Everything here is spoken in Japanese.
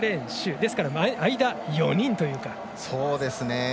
ですから間、４人というか。